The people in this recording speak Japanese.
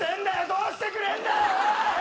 どうしてくれんだよおい！